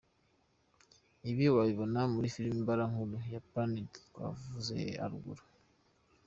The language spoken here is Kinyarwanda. Ibi wabibona muri filime mbarankuru ya Planete twavuze haruguru.